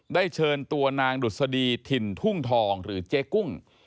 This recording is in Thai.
เชิญตัวนางดุษฎีถิ่นทุ่งทองหรือเจ๊กุ้ง